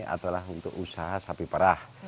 adalah untuk usaha sapi perah